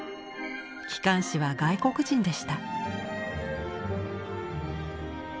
機関士は外国人でした。